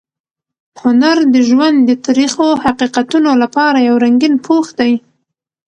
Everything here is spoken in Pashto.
هنر د ژوند د تریخو حقیقتونو لپاره یو رنګین پوښ دی.